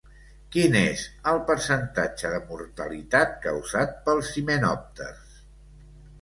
Quin és el percentatge de mortalitat causat pels himenòpters?